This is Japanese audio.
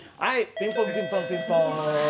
ピンポンピンポンピンポン！